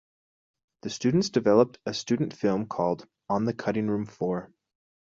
The students developed a student film called, On the cutting room floor.